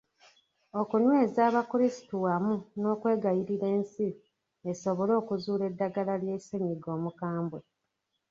Okunyweza abakulisitu wamu n’okuwegayirira ensi esobole okuzuula eddagala lya ssennyiga omukambwe.